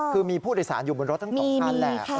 คือมีผู้โดยสารอยู่บนรถทั้งสองคันแหละ